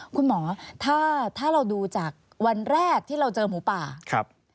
คุณหมอถ้าถ้าเราดูจากวันแรกที่เราเจอหมูป่าครับ